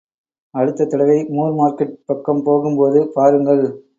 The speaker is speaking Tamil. அடுத்த தடவை மூர் மார்க்கெட் பக்கம் போகும்போது பாருங்கள்.